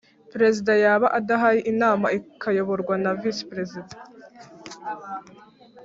Perezida yaba adahari inama ikayoborwa na Visi Perezida